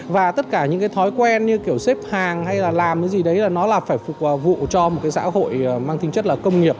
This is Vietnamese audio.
và tất cả những cái thói quen như kiểu xếp hàng hay là làm cái gì đấy là nó là phải phục vụ cho một cái xã hội mang tính chất là công nghiệp